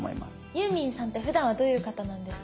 ユーミンさんってふだんはどういう方なんですか？